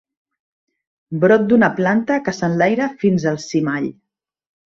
Brot d'una planta que s'enlaira fins al cimall.